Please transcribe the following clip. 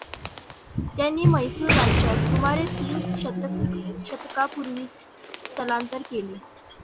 त्यांनी म्हैसूर राज्यात सुमारे तीन शतकापुर्वीच स्थलांतर केले.